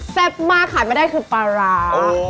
แซ่บมากสามารถไม่ได้คือปลาร้า